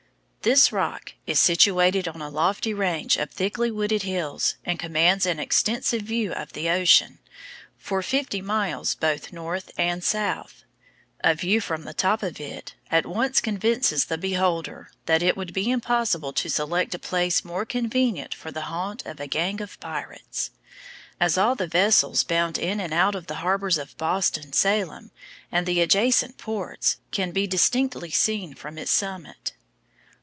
This rock is situated on a lofty range of thickly wooded hills, and commands an extensive view of the ocean, for fifty miles both north and south. A view from the top of it, at once convinces the beholder that it would be impossible to select a place more convenient for the haunt of a gang of pirates; as all vessels bound in and out of the harbors of Boston, Salem, and the adjacent ports, can be distinctly seen from its summit.